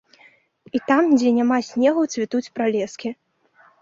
І там, дзе няма снегу, цвітуць пралескі.